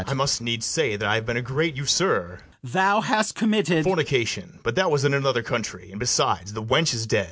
I must needs say that I have been a great usurer. FRIAR BARNARDINE. Thou hast committed BARABAS. Fornication: but that was in another country; And besides, the wench is dead.